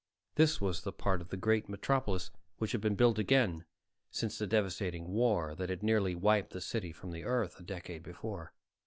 This was the part of the great metropolis which had been built again since the devastating war that had nearly wiped the city from the Earth a decade before.